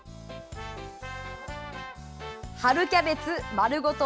春キャベツ丸ごと